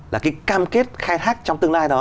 là cái cam kết khai thác trong tương lai đó